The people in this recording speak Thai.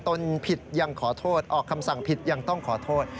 ตนผิดยังขอโทษออกคำสั่งผิดยังต้องขอโทษ